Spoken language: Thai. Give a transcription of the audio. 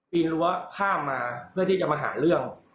ปีนหรือว่าข้ามมาเพื่อที่จะมาหาเรื่อง